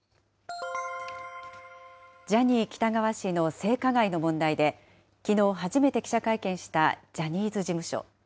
ジャニー喜多川氏の性加害の問題で、きのう初めて記者会見したジャニーズ事務所。